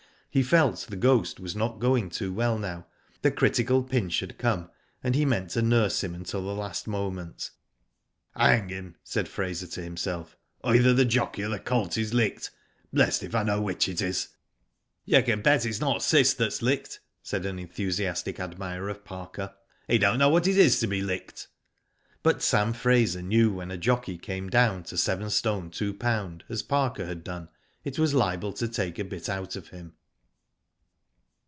He felt The Ghost was not going too well no\^ Digitized by Google THE GHOST WINS. 269 the critical pinch had come, and he meant to nurse him until the last moment. '*Hang him," said Fraser, to himself. "Either the jockey or the colt is licked. Blest if I know which it is.'' "You can bet it's not Cis that's licked," said an enthusiastic admirer of ' Parker. "He don't know what it is to be licked." But Sam Fraser knew when a jockey came down to yst. 2lb., as Parker had done, it was liable to take a bit out of him.